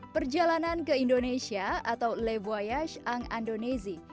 perjalanan ke indonesia atau le voyage en andonezi